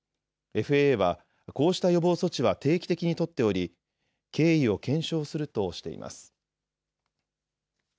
ＦＡＡはこうした予防措置は定期的に取っており経緯を検証するとしています。